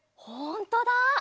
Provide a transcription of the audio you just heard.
ほんとだ！